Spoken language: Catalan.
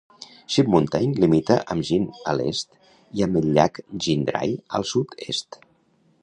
Sheep Mountain limita amb Jean a l'est i amb el llac Jean Dry al sud-est.